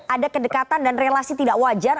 ada kedekatan dan relasi tidak wajar